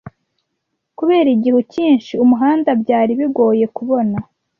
Kubera igihu cyinshi, umuhanda byari bigoye kubona.